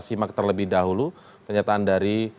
simak terlebih dahulu kenyataan dari